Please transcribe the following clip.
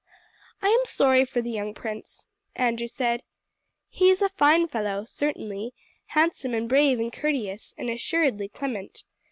"I am sorry for the young prince," Andrew said. "He is a fine fellow, certainly handsome and brave and courteous, and assuredly clement.